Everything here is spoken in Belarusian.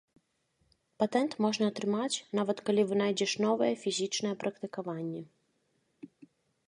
Патэнт можна атрымаць, нават калі вынайдзеш новае фізічнае практыкаванне.